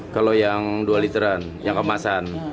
kalau yang dua literan yang kemasan